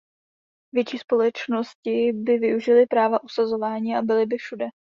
Větší společnosti by využily práva usazování a byly by všude.